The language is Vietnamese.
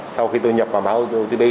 sau khi tôi nhập vào mã otp